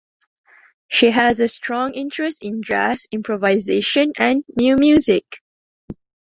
She has a strong interest in jazz, improvisation, and new music.